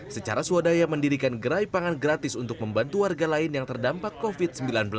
secara swadaya mendirikan gerai pangan gratis untuk membantu warga lain yang terdampak covid sembilan belas